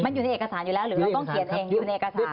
มันอยู่ในเอกสารอยู่แล้วหรือเราก็ต้องเขียนเอง